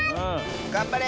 がんばれ！